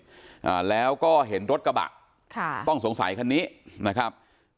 อ่าแล้วก็เห็นรถกระบะค่ะต้องสงสัยคันนี้นะครับ